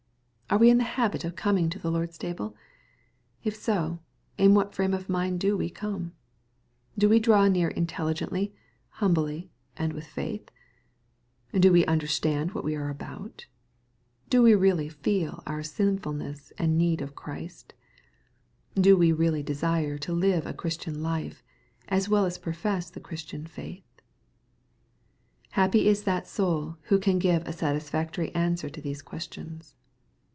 Are we in the habit of coming to the Lord's table ? If so, in what frame of mind do we come ? Do we draw near intelligently, humbly, and with faith ? Do we understand what we are about ? Do we really feel our sinfulness and need of Christ ? Do we really desire to live a Christian life, as well as profess the Christian faith ? Happy is that soul who can give a satisfactory answer to these questions.